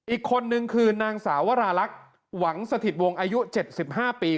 อีกคนนึงคือนางสาววราลักษณ์หวังสถิตวงศ์อายุ๗๕ปี